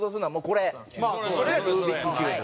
これがルービックキューブ。